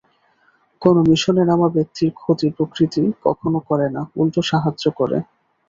কোনো মিশনে নামা ব্যক্তির ক্ষতি প্রকৃতি কখনো করে না, উল্টো সাহায্য করে।